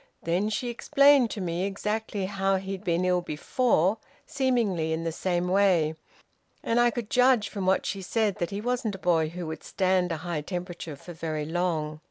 Then she explained to me exactly how he'd been ill before, seemingly in the same way, and I could judge from what she said that he wasn't a boy who would stand a high temperature for very long."